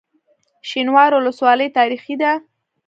شینوارو ولسوالۍ تاریخي ده؟